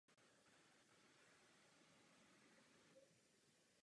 Motivem střelby byly rasové důvody.